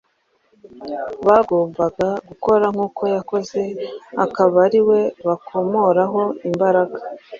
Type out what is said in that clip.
Bagombaga gukora nk’uko yakoze, akaba ari we bakomoraho imbaraga.